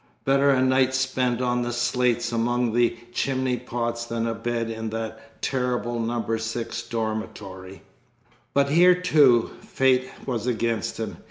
Better a night spent on the slates amongst the chimney pots than a bed in that terrible No. 6 Dormitory! But here, too, fate was against him.